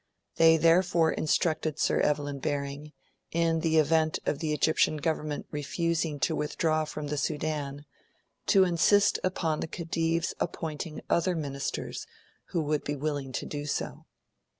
They therefore instructed Sir Evelyn Baring, in the event of the Egyptian Government refusing to withdraw from the Sudan, to insist upon the Khedive's appointing other Ministers who would be willing to do so.